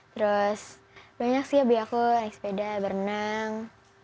terus banyak sih hobi aku naik sepeda berenang